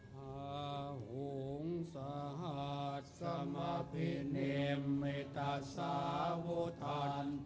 พระองค์สหัสสมพิเนมมิตตสาวทาตุ